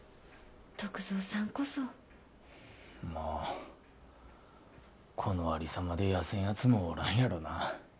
篤蔵さんこそまあこのありさまで痩せんやつもおらんやろな